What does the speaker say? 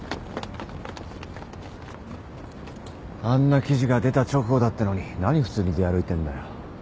あんな記事が出た直後だってのに何普通に出歩いてんだよ。